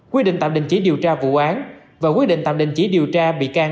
quy định tạm đình chỉ điều tra vụ án và quyết định tạm đình chỉ điều tra bị can